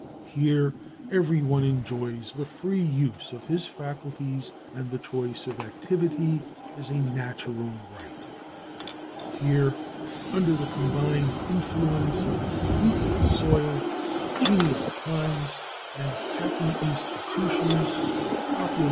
Here everyone enjoys the free use of his faculties and the choice of activity as a natural right. Here, under the combined influence of a fruitful soil, genial climes, and happy institutions, population has increased fifteen fold within a century.